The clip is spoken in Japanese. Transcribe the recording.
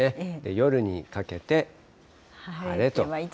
夜にかけて晴れと。